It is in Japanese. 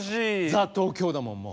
ザ・東京だもんもう。